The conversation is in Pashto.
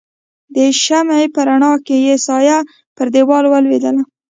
د شمعې په رڼا کې يې سایه پر دیوال ولوېدل.